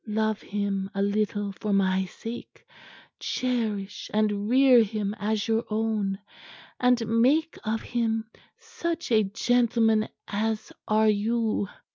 Love him a little for my sake; cherish and rear him as your own, and make of him such a gentleman as are you.